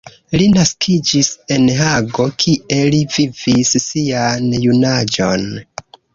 Li naskiĝis en Hago, kie li vivis sian junaĝon.